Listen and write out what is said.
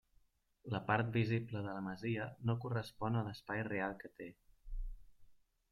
La part visible de la masia no correspon a l'espai real que té.